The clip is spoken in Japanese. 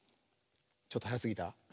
ちょっとはやすぎた？